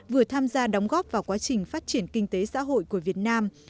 vừa tham gia đóng góp vào quá trình phát triển kinh tế xã hội của việt nam